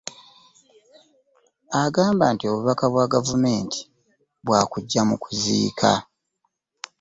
Agamba nti obubaka bwa gavumenti bwa kujja mu kuziika